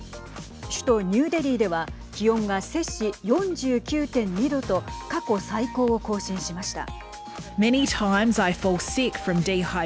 首都ニューデリーでは気温が摂氏４９．２度と過去最高を更新しました。